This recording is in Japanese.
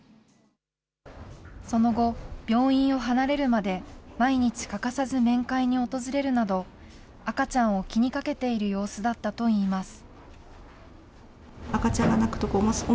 その後、病院を離れるまで、毎日欠かさず面会に訪れるなど、赤ちゃんを気にかけている様子だったといいます。